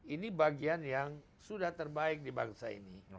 ini bagian yang sudah terbaik di bangsa ini